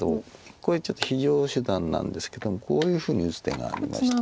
これちょっと非常手段なんですけどもこういうふうに打つ手がありまして。